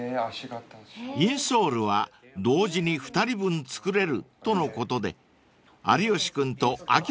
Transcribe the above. ［インソールは同時に２人分作れるとのことで有吉君と秋元さんが体験］